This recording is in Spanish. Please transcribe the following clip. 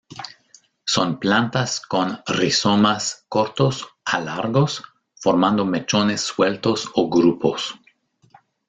Son plantas con rizomas cortos a largos, formando mechones sueltos o grupos.